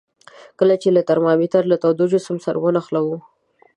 کله چې ترمامتر له تود جسم سره ونښلولو.